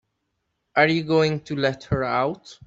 Are you going to let her out?